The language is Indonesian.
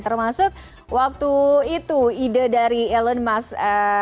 termasuk waktu itu ide dari elon musk